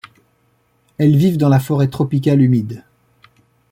Elles vivent dans la forêt tropicale humide.